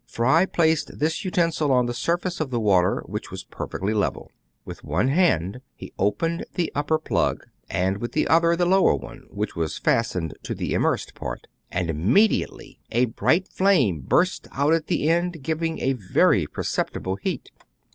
Fry placed this utensil on the surface of the water, which was perfectly level. DANGERS OF CAFT. BOYTON'S^ APFARATUS, 233 With one hand he opened the upper plug, and with the other the lower one, which was fastened to the immersed part; and immediately a bright flame burst out at the end, giving a very percepti ble heat.